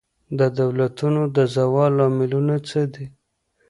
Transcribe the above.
د دولتونو د زوال لاملونه څه دي؟